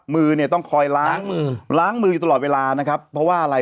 มือเนี่ยต้องคอยล้างมือล้างมืออยู่ตลอดเวลานะครับเพราะว่าอะไร